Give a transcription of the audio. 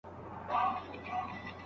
استاد شاګرد ته د بحث بشپړه زمینه برابروي.